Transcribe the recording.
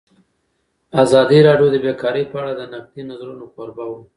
ازادي راډیو د بیکاري په اړه د نقدي نظرونو کوربه وه.